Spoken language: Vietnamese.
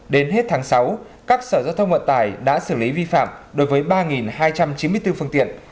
đến hết tháng sáu các sở giao thông vận tải đã xử lý vi phạm đối với ba hai trăm chín mươi bốn phương tiện